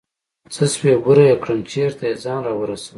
څه سوې بوره يې كړم چېرته يې ځان راورسوه.